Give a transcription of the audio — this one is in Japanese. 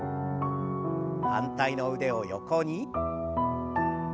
反対の腕を横に。